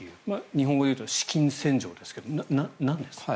日本語で言うと資金洗浄ですかなんですか？